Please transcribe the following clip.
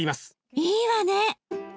いいわね！